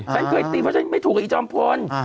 ฉันเคยตีเพราะฉันไม่ถูกกับอีจอมพล